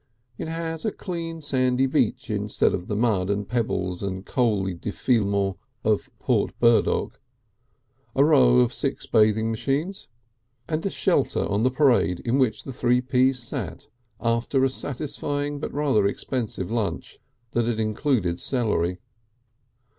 It has a clean sandy beach instead of the mud and pebbles and coaly défilements of Port Burdock, a row of six bathing machines, and a shelter on the parade in which the Three Ps sat after a satisfying but rather expensive lunch that had included celery.